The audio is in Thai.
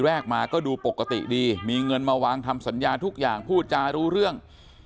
มาก็ดูปกติดีมีเงินมาวางทำสัญญาทุกอย่างพูดจารู้เรื่อง